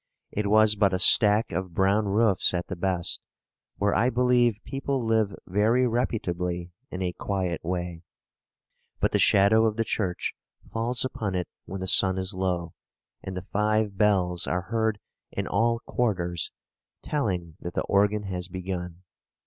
It was but a stack of brown roofs at the best, where I believe people live very reputably in a quiet way; but the shadow of the church falls upon it when the sun is low, and the five bells are heard in all quarters, telling that the organ has begun.